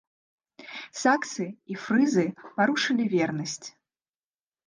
Саксы і фрызы парушылі вернасць.